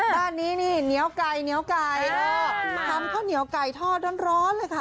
บ้านนี้เนี๊ยวไก่ทำข้าวเนี๊ยวไก่ทอดร้อนเลยค่ะ